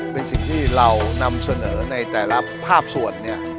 เป็นสิ่งที่เรานำเสนอในแต่ละภาคส่วนเนี่ย